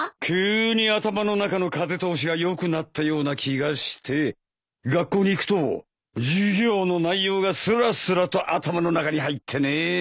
急に頭の中の風通しがよくなったような気がして学校に行くと授業の内容がスラスラと頭の中に入ってね。